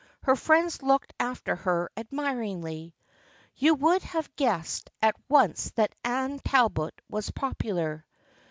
Her friends looked after her admiringly. You would have guessed at once that Anne Talbot was popular.